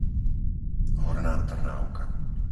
Horná Trnávka